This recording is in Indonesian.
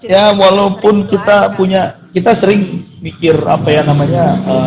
ya walaupun kita punya kita sering mikir apa ya namanya